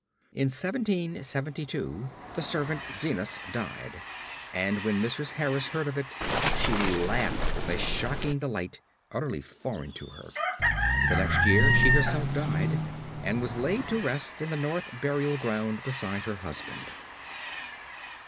In 1772 the servant Zenas died, and when Mrs. Harris heard of it she laughed with a shocking delight utterly foreign to her. The next year she herself died, and was laid to rest in the North Burial Ground beside her husband.